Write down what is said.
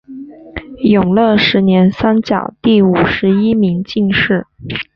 永乐十年三甲第五十一名进士。